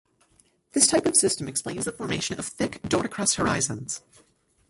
This type of system explains the formation of thick duricrust horizons.